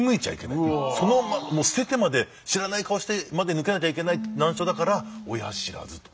捨ててまで知らない顔してまで抜けなきゃいけない難所だから親不知と。